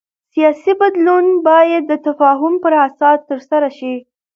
سیاسي بدلون باید د تفاهم پر اساس ترسره شي